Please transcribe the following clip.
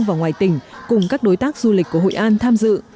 hội an và ngoài tỉnh cùng các đối tác du lịch của hội an tham dự